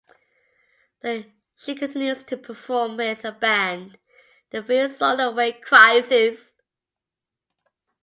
She continues to perform with her band, the Faith Soloway Crisis.